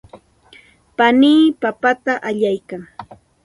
panii papata allaykan.